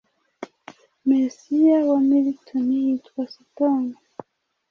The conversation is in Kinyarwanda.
Mesiya wa Milton yitwa Satani.